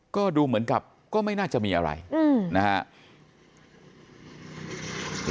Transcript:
ก็ดูเหมือนกับก็ไม่น่าจะมีอะไรนะครับ